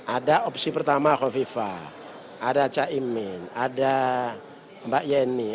ada opsi pertama kofifah ada caimin ada mbak yeni